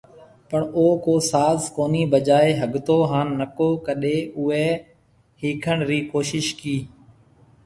پڻ او ڪو ساز ڪونهي بجائي ۿگھتو هان نڪو ڪڏي اوئي ۿيکڻ ري ڪوشش ڪي